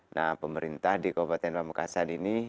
nah pemerintah di kabupaten pamekasan ini